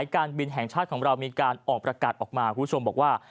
บริษัทการบินแห่งชาติของเรามีการออกประกาศคุณผู้ชมบอกว่า